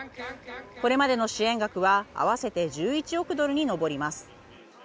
これまでの支援額は合わせて１１億ドルに上ります。